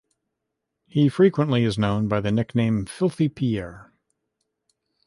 He frequently is known by the nickname Filthy Pierre.